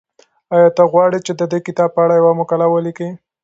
ایا ته غواړې چې د دې کتاب په اړه یوه مقاله ولیکې؟